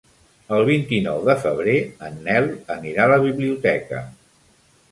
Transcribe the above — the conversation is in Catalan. El vint-i-nou de febrer en Nel anirà a la biblioteca.